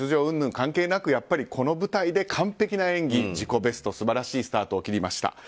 うんぬん関係なくこの舞台で完璧な演技、自己ベスト素晴らしいスタートを切りました。